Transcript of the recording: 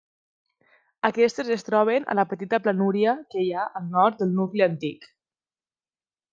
Aquestes es troben a la petita planúria que hi ha al nord del nucli antic.